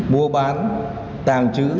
mua bán tàng trứ